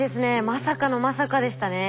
まさかのまさかでしたね。